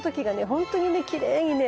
本当にきれいにね